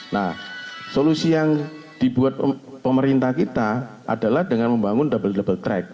nah solusi yang dibuat pemerintah kita adalah dengan membangun double double track